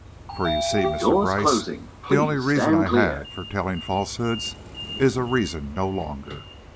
For, you see, Mr. Brice, the only reason I had for telling falsehoods is a reason no longer.